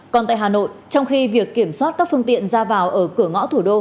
còn tại hà nội trong khi việc kiểm soát các phương tiện ra vào ở cửa ngõ thủ đô